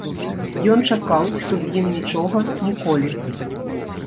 Ён чакаў, што з ім нічога ніколі.